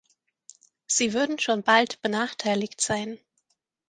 Sie würden schon bald benachteiligt sein.